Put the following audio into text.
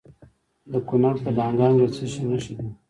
د کونړ په دانګام کې د څه شي نښې دي؟